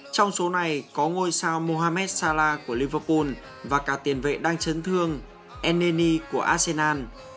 trong số này có ngôi sao mohammed salah của liverpool và cả tiền vệ đang chấn thương eneli của arsenal